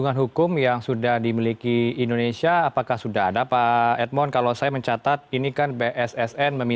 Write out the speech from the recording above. gampang mengkasamakan kepentingan umum